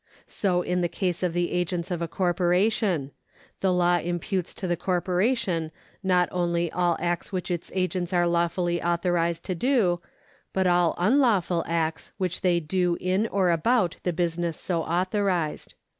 So in the case of the agents of a corporation : the law imputes to the corporation not only all acts which its agents are lawfully authorised to do, but all unlawful acts which they do in or about the business so authorised.